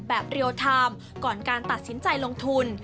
เรียลไทม์ก่อนการตัดสินใจลงทุน